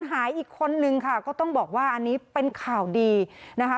หายอีกคนนึงค่ะก็ต้องบอกว่าอันนี้เป็นข่าวดีนะคะ